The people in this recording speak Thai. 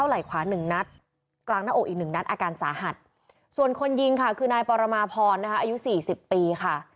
อาการสหัตุส่วนคนยิงค่ะคือนายปรมาพรนะคะอายุสี่สิบปีค่ะ